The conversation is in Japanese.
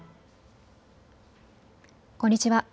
こんにちは。